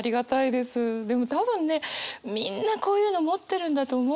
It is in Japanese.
でも多分ねみんなこういうの持ってるんだと思うんですよ。